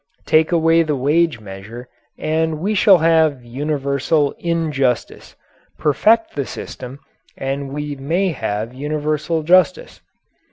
Take away the wage measure and we shall have universal injustice. Perfect the system and we may have universal justice.